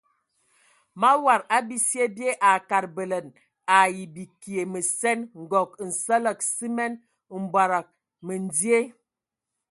Mawad a bisye bye a kad bələna ai bikie məsen, ngɔg, nsələg simen, mbɔdɔgɔ məndie.